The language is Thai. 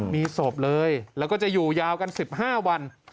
มีศพเลยแล้วก็จะอยู่ยาวกัน๑๕วัน